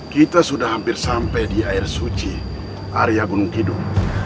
kita sudah hampir sampai di air suci area gunung kidul